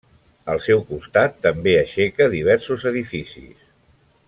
Al seu costat, també aixeca diversos edificis.